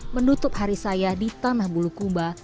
menutup hari saya di tanah bulu kuba